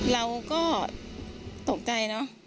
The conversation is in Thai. เราก็ตกใจเนอะ